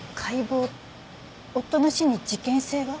夫の死に事件性が？